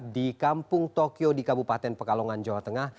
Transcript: di kampung tokyo di kabupaten pekalongan jawa tengah